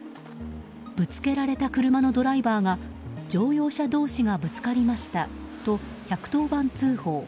ぶつけられた車のドライバーが乗用車同士がぶつかりましたと１１０番通報。